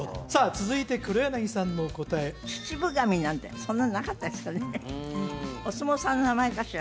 続いて黒柳さんの答え秩父紙なんてそんなのなかったですかね？